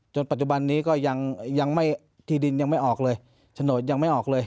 ปัจจุบันนี้ก็ยังไม่ที่ดินยังไม่ออกเลยโฉนดยังไม่ออกเลย